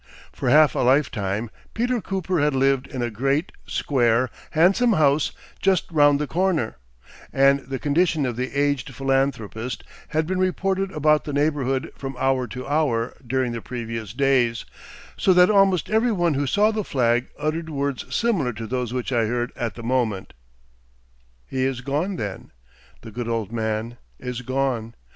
For half a lifetime Peter Cooper had lived in a great, square, handsome house just round the corner, and the condition of the aged philanthropist had been reported about the neighborhood from hour to hour during the previous days; so that almost every one who saw the flag uttered words similar to those which I heard at the moment: "He is gone, then! The good old man is gone.